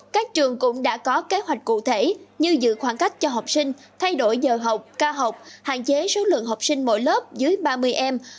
các trường cũng đã có kế hoạch cụ thể như giữ khoảng cách cho học sinh thay đổi giờ học ca học hạn chế số lượng học sinh mỗi lớp dưới ba mươi em